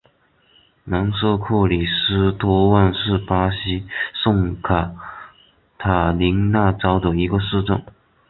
南圣克里斯托旺是巴西圣卡塔琳娜州的一个市镇。